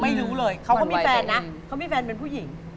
ไม่รู้เลยเขาก็มีแฟนนะเขามีแฟนเป็นผู้หญิง